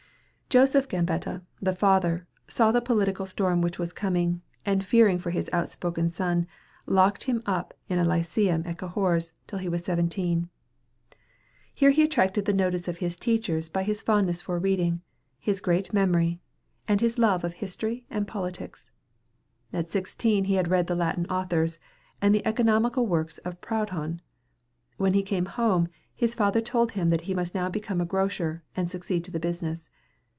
Joseph Gambetta, the father, saw the political storm which was coming, and fearing for his outspoken son, locked him up in a lyceum at Cahors, till he was seventeen. Here he attracted the notice of his teachers by his fondness for reading, his great memory, and his love of history and politics. At sixteen he had read the Latin authors, and the economical works of Proudhon. When he came home, his father told him that he must now become a grocer, and succeed to the business.